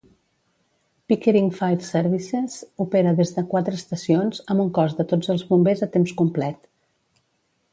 Pickering Fire Services opera des de quatre estacions amb un cos de tots els bombers a temps complet.